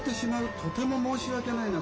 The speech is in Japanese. とても申し訳ないなと。